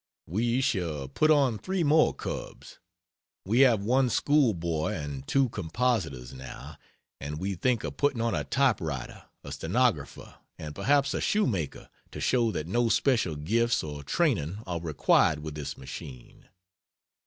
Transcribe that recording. We shall put on 3 more cubs. We have one school boy and two compositors, now, and we think of putting on a type writer, a stenographer, and perhaps a shoemaker, to show that no special gifts or training are required with this machine.